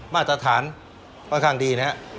มาตรฐานค่อนข้างดีนะครับ